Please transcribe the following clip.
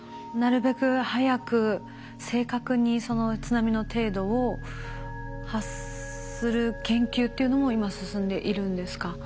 なるべく早く正確にその津波の程度を発する研究っていうのも今進んでいるんですか？